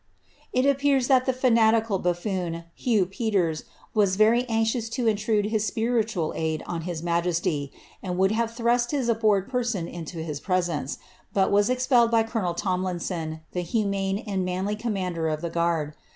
* It appears that the fanatical buffoon, Hugh Peters, was very anzion to intrude his spiritual aid on his majesty, and would have thrust hii abhorred person into his presence, but was expelled by colonel Tooh linson, the humane and manly commander of the guard.